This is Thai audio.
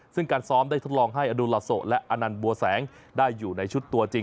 ซึ่งการซ้อมได้ทดลองให้อดูลาโซและอนันต์บัวแสงได้อยู่ในชุดตัวจริง